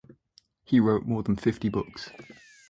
He wrote more than fifty books.